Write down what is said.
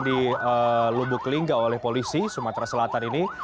di lubuk lingga oleh polisi sumatera selatan ini